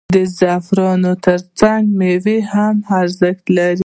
د زعفرانو ترڅنګ میوې هم ارزښت لري.